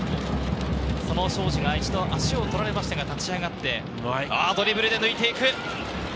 庄司が一度足を取られましたが立ち上がって、ドリブルで抜いて行く。